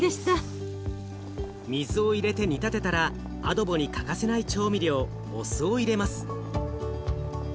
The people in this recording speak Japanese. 水を入れて煮立てたらアドボに欠かせない調味料お酢を入れます。